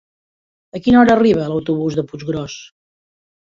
A quina hora arriba l'autobús de Puiggròs?